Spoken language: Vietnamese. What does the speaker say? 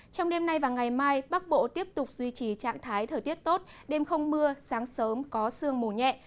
trong đêm nay và ngày mai bắc bộ tiếp tục duy trì trạng thái thời tiết tốt đêm không mưa sáng sớm có sương mù nhẹ